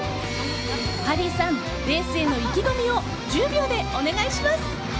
ハリーさんレースへの意気込みを１０秒でお願いします。